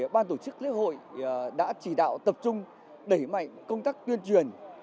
ban tổ chức lễ hội đã chỉ đạo tập trung đẩy mạnh công tác tuyên truyền